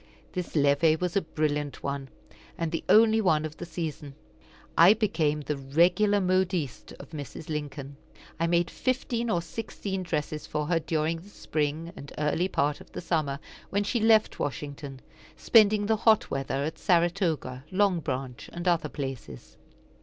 This levee was a brilliant one, and the only one of the season. I became the regular modiste of Mrs. Lincoln. I made fifteen or sixteen dresses for her during the spring and early part of the summer, when she left Washington; spending the hot weather at Saratoga, Long Branch, and other places.